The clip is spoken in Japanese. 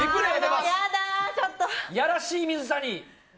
いやらしい水谷！